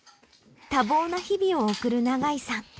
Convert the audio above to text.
多忙な日々を送る永井さん。